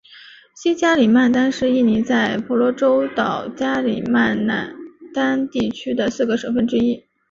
西加里曼丹是印尼在婆罗洲岛加里曼丹地区的四个省份之一。